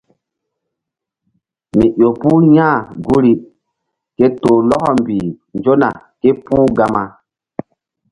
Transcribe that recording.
Mi ƴo puh ya̧h guri ke toh lɔkɔ mbih nzona ké puh Gama.